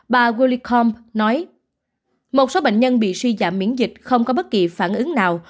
bà golicom nói một số bệnh nhân bị suy giảm miễn dịch không có bất kỳ phản ứng nào